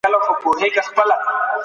که تېروتنه وکړي نو له هغي زده کړه وکړه.